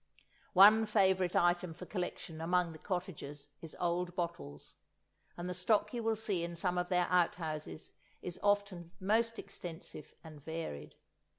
One favourite item for collection among the cottagers is old bottles, and the stock you will see in some of their outhouses is often most extensive and varied.